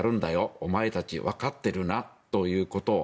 お前たち、わかってるな？ということ。